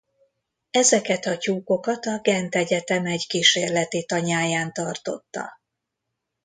Ezeket az tyúkokat a Gent Egyetem egy kísérleti tanyáján tartotta.